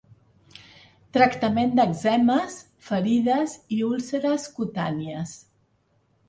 Tractament d'èczemes, ferides i úlceres cutànies.